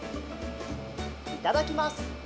いただきます。